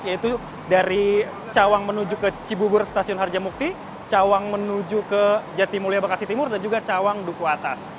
yaitu dari cawang menuju ke cibubur stasiun harjamukti cawang menuju ke jatimulia bekasi timur dan juga cawang duku atas